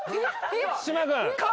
島君！